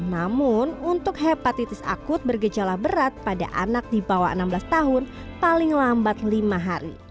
namun untuk hepatitis akut bergejala berat pada anak di bawah enam belas tahun paling lambat lima hari